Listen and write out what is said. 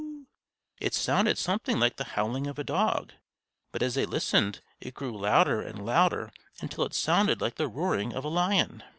It sounded something like the howling of a dog; but as they listened, it grew louder and louder, until it sounded like the roaring of a lion.